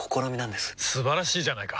素晴らしいじゃないか！